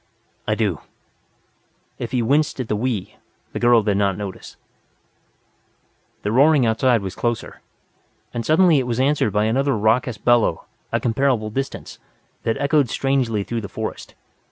"I do." If he winced at the "we" the girl did not notice. The roaring outside was closer. And suddenly it was answered by another raucous bellow, at considerable distance, that echoed strangely through the forest.